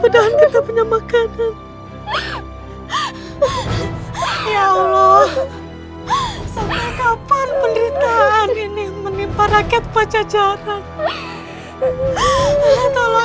pedang kita punya makanan ya allah sampai kapan penderitaan ini menimpa rakyat pajajaran